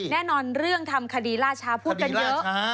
เรื่องทำคดีล่าช้าพูดกันเยอะ